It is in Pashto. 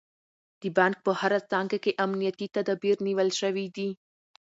د بانک په هره څانګه کې امنیتي تدابیر نیول شوي دي.